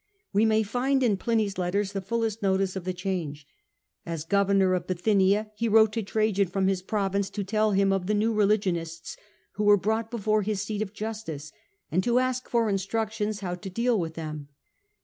We may find in Pliny's letters the fullest notice of the Christianity change. As governor of Bithynia he wrote to mad^IIegal Trajan from his province to tell him of the 1. •• 1 1 , t r 1 . Trajan. new religionists who were brought before his seat of justice, and to ask for instructions how to deal with them.